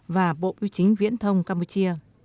và bộ bưu chính viễn thông campuchia